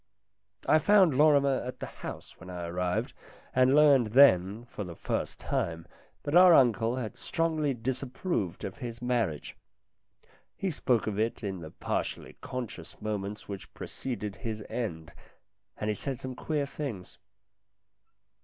I found Lorrimer at the house when I arrived, and learned then, for the first time, that our uncle had strongly disapproved of his marriage. He spoke of it in the partially conscious moments which preceded his end, and he said some queer things.